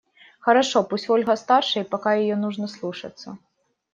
Хорошо! Пусть Ольга старше и пока ее нужно слушаться.